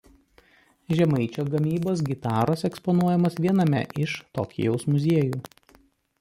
Žemaičio gamybos gitaros eksponuojamos viename iš Tokijaus muziejų.